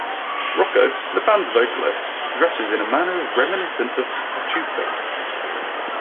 Roco, the band's vocalist, dresses in a manner reminiscent of the pachucos.